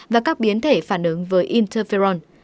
và các biến thể phản ứng với interferon